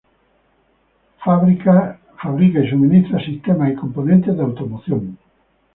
Fabrica y suministra sistemas y componentes de automoción.